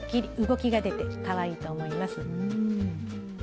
動きが出てかわいいと思います。